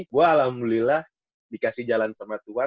gue alhamdulillah dikasih jalan sama tuhan